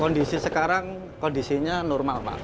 kondisi sekarang kondisinya normal